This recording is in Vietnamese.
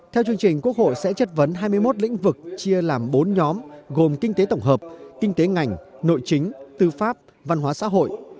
theo chương trình quốc hội sẽ chất vấn hai mươi một lĩnh vực chia làm bốn nhóm gồm kinh tế tổng hợp kinh tế ngành nội chính tư pháp văn hóa xã hội